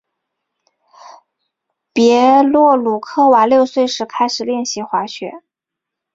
别洛鲁科娃六岁时开始练习滑雪。